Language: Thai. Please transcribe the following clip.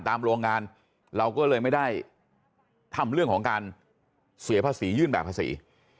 โรงงานเราก็เลยไม่ได้ทำเรื่องของการเสียภาษียื่นแบบภาษี